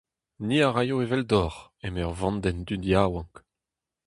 Ni a raio eveldoc'h, eme ur vandenn dud yaouank.